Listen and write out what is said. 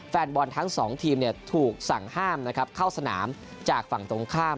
แฟนบอลทั้งสองทีมถูกสั่งห้ามนะครับเข้าสนามจากฝั่งตรงข้าม